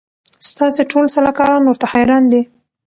ستاسي ټول سلاکاران ورته حیران دي